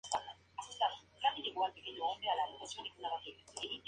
Bastante frecuente en los altos paredones de los macizos central y occidental de Gredos.